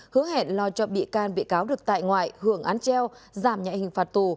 hứa hẹn lo cho bị can bị cáo được tại ngoại hưởng án treo giảm nhạy hình phạt tù